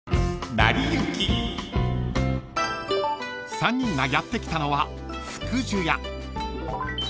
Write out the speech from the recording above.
［３人がやって来たのは］